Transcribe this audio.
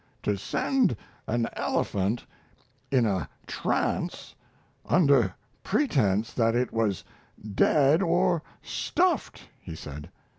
"To send an elephant in a trance, under pretense that it was dead or stuffed!" he said.